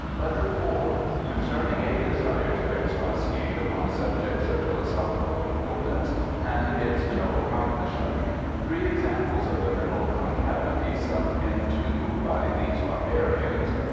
LETTER IV Concerning a desire to expatiate upon subjects of philosophical importance and its no accomplishment. Three examples of the mental concavity sunk into by these barbarians.